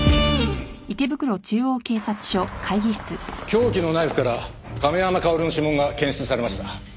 凶器のナイフから亀山薫の指紋が検出されました。